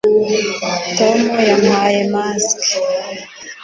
Tom yambaye mask